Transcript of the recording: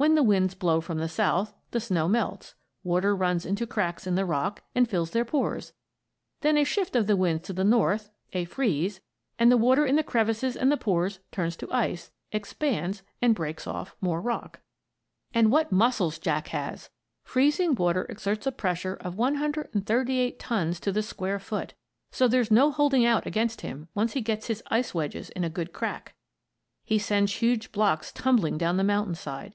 When the winds blow from the south, the snow melts, water runs into cracks in the rock and fills their pores; then a shift of the winds to the north, a freeze, and the water in the crevices and the pores turns to ice, expands, and breaks off more rock. And what muscles Jack has! Freezing water exerts a pressure of 138 tons to the square foot; so there's no holding out against him once he gets his ice wedges in a good crack. He sends huge blocks tumbling down the mountainside.